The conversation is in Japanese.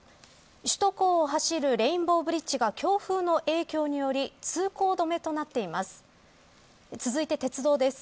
首都高を走るレインボーブリッジが強風の影響により通行止めとなっています。